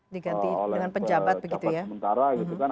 dikanti dengan pejabat sementara gitu kan